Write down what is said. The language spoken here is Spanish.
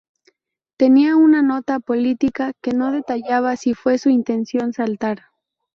Tenía una nota política que no detallaba si fue su intención saltar.